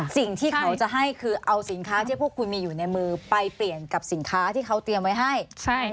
สิ่งที่เขาจะให้คือเอาสินค้าที่พวกคุณมีอยู่ในมือไปเปลี่ยนกับสินค้าที่เขาเตรียมไว้ให้